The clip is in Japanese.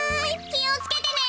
きをつけてね！